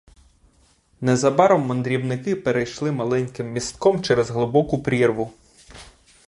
Незабаром мандрівники перейшли маленьким містком через глибоку прірву.